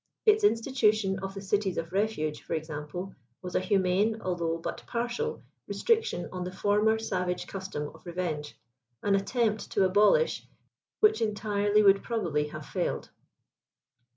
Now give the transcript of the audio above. Its institution of the cities of refuge, for example, was a humane, although but partial, restriction on the former savage custom of revenge, an attempt to abolish which entirely would probably have failed.